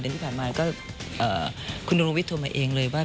ที่ผ่านมาก็คุณนรวิทยโทรมาเองเลยว่า